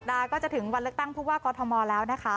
ดาก็จะถึงวันเลือกตั้งผู้ว่ากอทมแล้วนะคะ